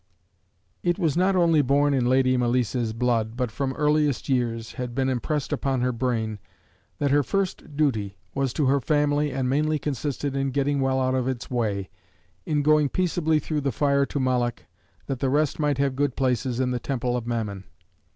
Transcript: It was not only born in Lady Malice's blood, but from earliest years, had been impressed on her brain, that her first duty was to her family, and mainly consisted in getting well out of its way in going peaceably through the fire to Moloch, that the rest might have good places in the Temple of Mammon.